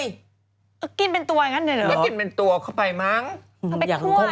แล้วกินเป็นตัวเข้าไปมั้ง